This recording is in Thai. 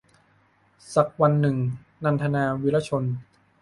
สักวันหนึ่ง - นันทนา วีระชน